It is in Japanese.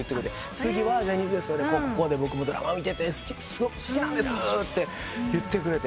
「次はジャニーズＷＥＳＴでこうこうこうで僕もドラマ見ててすごく好きなんです」と言ってくれて。